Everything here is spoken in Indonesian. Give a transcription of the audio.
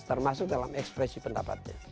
termasuk dalam ekspresi pendapatnya